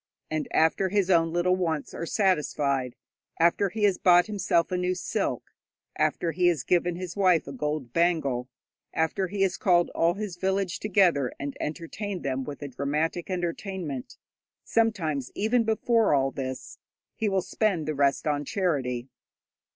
And after his own little wants are satisfied, after he has bought himself a new silk, after he has given his wife a gold bangle, after he has called all his village together and entertained them with a dramatic entertainment sometimes even before all this he will spend the rest on charity.